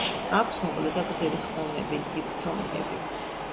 აქვს მოკლე და გრძელი ხმოვნები, დიფთონგები.